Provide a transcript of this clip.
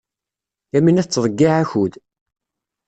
Yamina tettḍeyyiɛ akud.